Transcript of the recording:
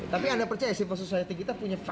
tapi anda percaya sih pak sosayati kita punya perangkat